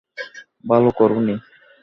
ভালো করো নি।